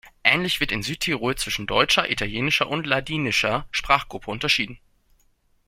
Ähnlich wird in Südtirol zwischen deutscher, italienischer und ladinischer Sprachgruppe unterschieden.